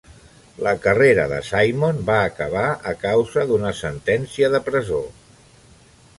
La carrera de Simon va acabar a causa d'una sentència de presó.